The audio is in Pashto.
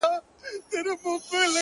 خو بيا هم پوښتني بې ځوابه پاتې کيږي تل,